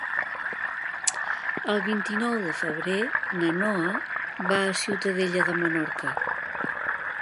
El vint-i-nou de febrer na Noa va a Ciutadella de Menorca.